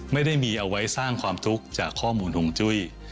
ไม่ได้มีเอาไว้สร้างความทุกข์จากข้อมูลห่วงจุ้ย